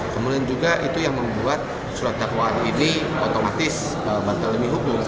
kemudian juga itu yang membuat surat dakwaan ini otomatis mental demi hukum